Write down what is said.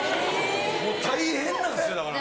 もう大変なんですよだから。